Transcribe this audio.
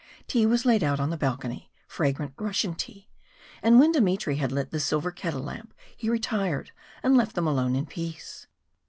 Tea was laid out on the balcony, fragrant Russian tea, and when Dmitry had lit the silver kettle lamp he retired and left them alone in peace.